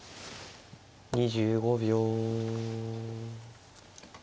２５秒。